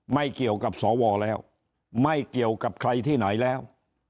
ไม่เกี่ยวกับสวแล้วไม่เกี่ยวกับใครที่ไหนแล้ว